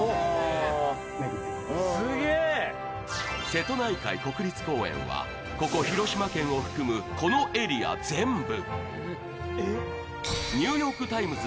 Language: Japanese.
瀬戸内海国立公園は、広島県を含むこのエリア全部。